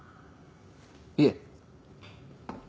いえ。